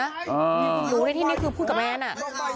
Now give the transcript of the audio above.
นี่คุณรู้ได้ที่นี่คือพูดกับแมนน่ะ